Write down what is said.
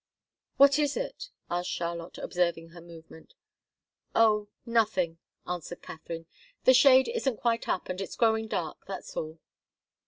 "What is it?" asked Charlotte, observing her movement. "Oh nothing," answered Katharine. "The shade isn't quite up and it's growing dark, that's all."